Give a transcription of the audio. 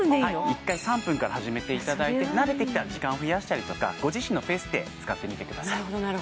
１回３分から始めていただいて慣れてきたら時間を増やしたりとかご自身のペースで使ってみてください